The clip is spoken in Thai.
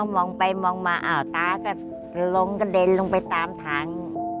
มองไปมองมาอ้าวตาก็ล้มกระเด็นลงไปตามทาง